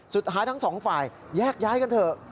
สุดท้ายทั้งสองฝ่ายแยกย้ายกันเถอะ